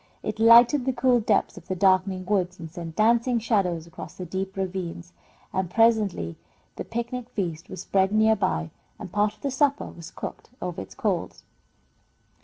It lighted the cool depths of the darkening woods, and sent dancing shadows across the deep ravines, and presently the picnic feast was spread near by and part of the supper was cooked over its coals.